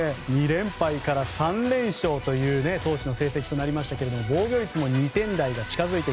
２連敗から３連勝という投手の成績となりましたが防御率も２点台が近づく。